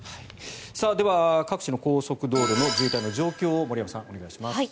では、各地の高速道路の渋滞の状況を森山さんお願いします。